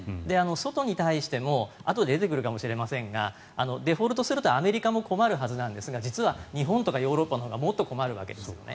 外に対しても後で出てくるかもしれませんがデフォルトするとアメリカも困るはずなんですが実は日本とかヨーロッパのほうがもっと困るわけですよね。